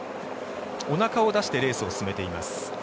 おなかを出してレースを進めています。